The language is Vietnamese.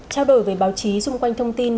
trao đổi với báo chí xung quanh thông tin